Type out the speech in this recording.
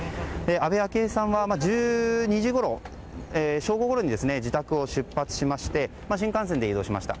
安倍昭恵さんは１２時ごろ、正午ごろに自宅を出発しまして新幹線で移動しました。